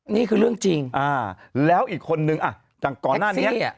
นี่คือเรื่องจริงอ่าแล้วอีกคนนึงอ่ะอย่างก่อนหน้านี้